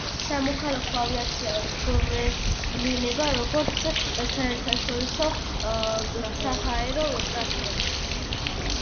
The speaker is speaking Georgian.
სამოქალაქო ავიაცია გვევლინება როგორც საერთაშორისო საჰაერო ტრანსპორტი.